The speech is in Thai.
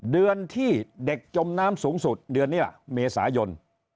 เดือนที่เด็กจมน้ำสูงสุดเดือนนี้เมษายน